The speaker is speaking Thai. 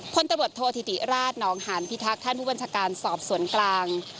พลตำรวจโทษธิติราชนองหานพิทักษ์ท่านผู้บัญชาการสอบสวนกลาง